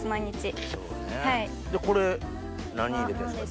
これ何入れてんですか？